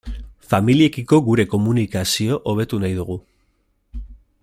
Familiekiko gure komunikazio hobetu nahi dugu.